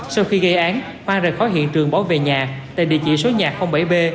sau khi gây án hoang rời khỏi hiện trường bỏ về nhà tại địa chỉ số nhà bảy b